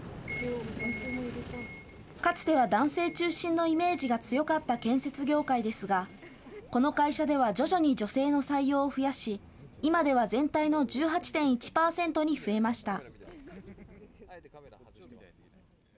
かつては男性中心のイメージが強かった建設業界ですがこの会社では徐々に女性の採用を増やし、今では全体の１８．１％に増えました。